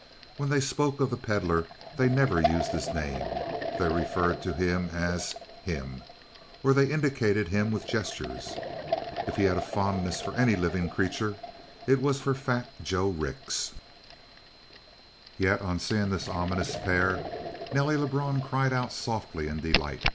When they spoke of the Pedlar they never used his name. They referred to him as "him" or they indicated him with gestures. If he had a fondness for any living creature it was for fat Joe Rix. Yet on seeing this ominous pair, Nelly Lebrun cried out softly in delight.